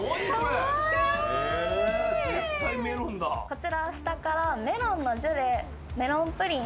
こちらは下からメロンのジュレメロンプリン。